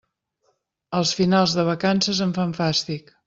Els finals de vacances em fan fàstic.